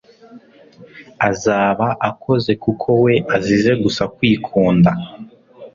azaba akoze kuko we azize gusa kwikunda